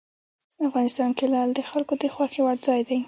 افغانستان کې لعل د خلکو د خوښې وړ ځای دی.